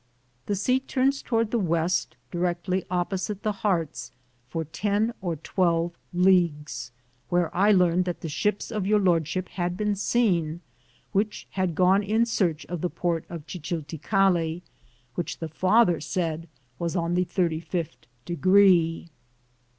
The sea turns toward the west directly opposite the Hearts for 10 or 12 leagues, where I learned that the ships of Your Lordship had been seen, which had gone in search of the port of Chichilticale, which the father said was on the thirty fifth degree.